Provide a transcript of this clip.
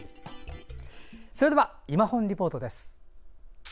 それでは「いまほんリポート」です。